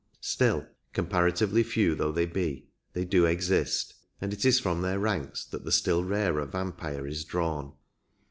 Still, comparatively few though they be, they do exist, and it is from their ranks that the still rarer vampire is drawn.